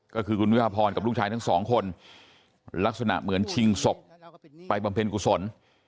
ก็คือคุณวิภาพรกับลูกชายทั้งสองคนลักษณะเหมือนชิงศพไปบำเพ็ญกุศล